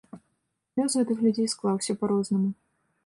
Лёс гэтых людзей склаўся па-рознаму.